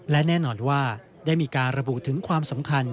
และแน่นอนว่าได้มีการระบุถึงความสำคัญ